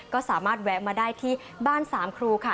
ก็สามารถแวะมาได้ที่บ้านสามครูค่ะ